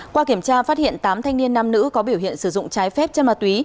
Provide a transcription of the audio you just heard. qua kiểm tra phát hiện tám thanh niên nam nữ có biểu hiện sử dụng trái phép chân ma túy